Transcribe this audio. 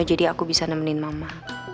jadi aku bisa nemenin mama